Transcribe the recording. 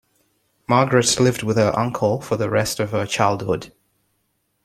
Margaret lived with her uncle for the rest of her childhood.